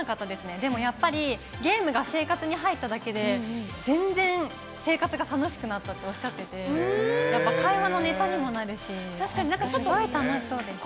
でもやっぱり、ゲームが生活に入っただけで、全然生活が楽しくなったっておっしゃってて、やっぱ会話のネタにもなるし、すごい楽しそうでした。